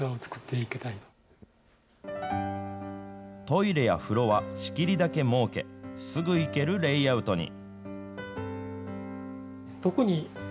トイレや風呂は、仕切りだけ設け、すぐ行けるレイアウトに。